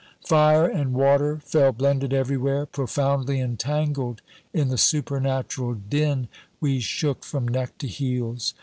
Fire and water fell blended everywhere. Profoundly entangled in the supernatural din, we shook from neck to heels.